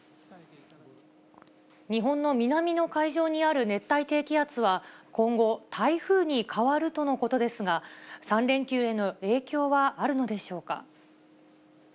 日本の南の海上にある熱帯低気圧は、今後、台風に変わるとのことですが、３連休への影響はあるのでしょうか。